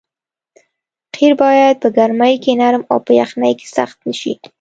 قیر باید په ګرمۍ کې نرم او په یخنۍ کې سخت نه شي